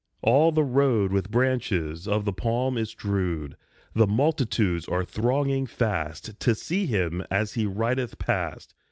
All the road With branches of the palm is strewed ; The multitudes are thronging fast To see him as he rideth past.